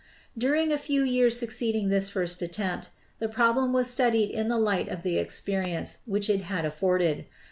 During a few years succeeding this first attempt, the problem was studied in the light of the experience which it had afforded.